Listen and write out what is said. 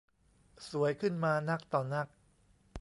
สวยขึ้นมานักต่อนัก